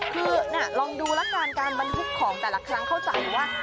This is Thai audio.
คือลองดูแล้วกันการบรรทุกของแต่ละครั้งเข้าใจว่า